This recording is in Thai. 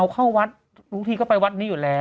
เข้าวัดบางทีก็ไปวัดนี้อยู่แล้ว